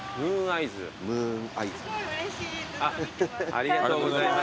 ありがとうございます。